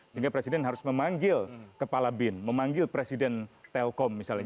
sehingga presiden harus memanggil kepala bin memanggil presiden telkom misalnya